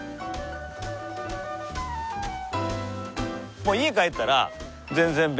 もう家帰ったら全然別です。